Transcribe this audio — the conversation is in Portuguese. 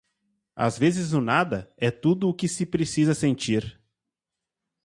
Às vezes o nada é tudo o que se precisa sentir.